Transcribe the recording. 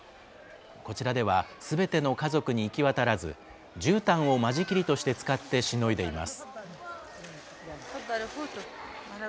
こちらでは、すべての家族に行き渡らず、じゅうたんを間仕切りとして使ってしのいでいます。